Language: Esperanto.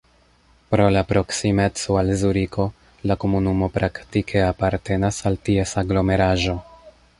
Pro la proksimeco al Zuriko, la komunumo praktike apartenas al ties aglomeraĵo.